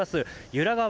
由良川